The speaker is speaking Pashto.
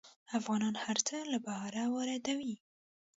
افغانان هر څه له بهر واردوي.